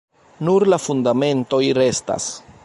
Nur la fundamentoj restas.